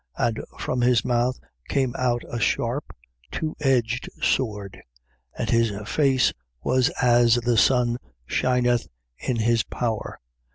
And from his mouth came out a sharp two edged sword. And his face was as the sun shineth in his power.